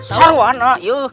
seru an ya